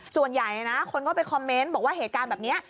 ส่วนใหญ่นะคนก็ไปคอมเมนต์บอกว่าเหตุการณ์แบบนี้